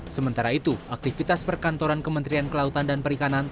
sementara itu aktivitas perkantoran kementerian kelautan dan perikanan